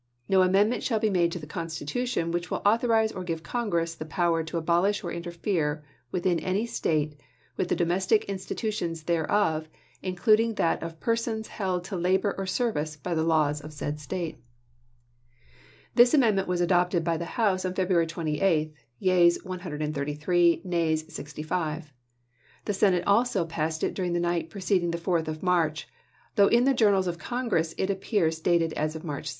No amendment shall be made to the Consti tution which will authorize or give to Congress the power to abolish or interfere within any State with the domestic institutions thereof, including that of persons held to labor or service by the laws of said State. This amendment was adopted by the House on February 28, yeas 133, nays 65 ; the Senate also i86i, p. », passed it during the night preceding the 4th of March, though in the journals of Congress it ap pears dated as of March 2.